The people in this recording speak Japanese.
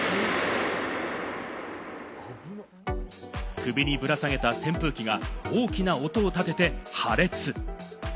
首にぶら下げた扇風機が大きな音を立てて破裂。